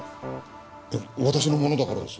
私のものだからです。